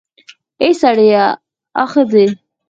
اې سړیه, آ ښځې